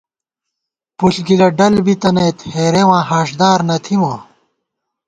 پُݪ گِلہ ڈل بِتَنَئیت ہېرېواں ہاݭدار نہ تھِمہ